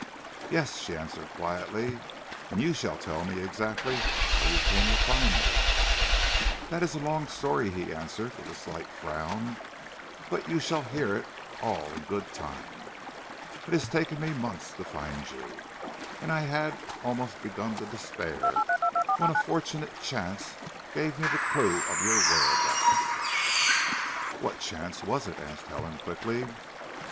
"Yes," she answered quietly, "and you shall tell me exactly how you came to find me." "That is a long story," he answered with a slight frown, "but you shall hear it all in good time. It has taken me months to find you, and I had almost begun to despair, when a fortunate chance gave me the clue to your whereabouts." "What chance was it?" asked Helen quickly.